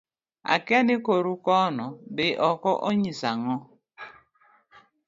akia ni koru kono dhi oko onyiso ang'o